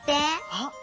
あっ！